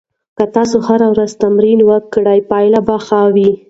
که تاسو هره ورځ تمرین وکړئ، پایله ښه وي.